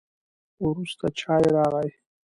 وروسته چای راغی.